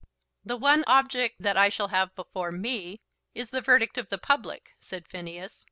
"The one object that I shall have before me is the verdict of the public," said Phineas.